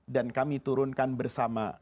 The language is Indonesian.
dan kami turunkan bersama